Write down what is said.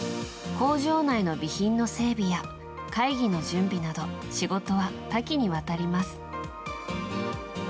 工場内の備品の整備や会議の準備など仕事は多岐にわたります。